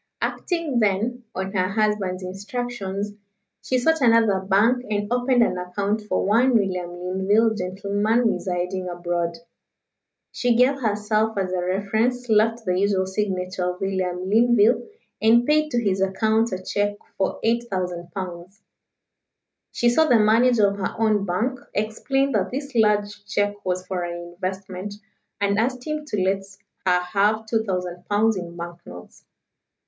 Acting, then, on her husband's instructions, she sought another bank and opened an account for one William Linville, gentleman, residing abroad. She gave herself as a reference, left the usual signature of William Linville, and paid to his account a cheque for 8,000 pounds. She saw the manager of her own bank, explained that this large cheque was for an investment, and asked him to let her have 2,000 pounds in bank notes.